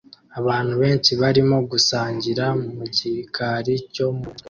Abantu benshi barimo gusangirira mu gikari cyo mu nzu